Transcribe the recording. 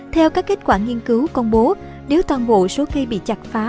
theo các kết quả nghiên cứu công bố nếu toàn bộ số cây bị chặt phá